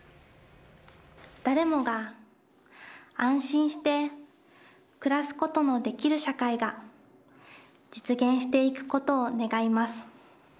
誰もが安心して暮らすことのできる社会が、実現していくことを願います。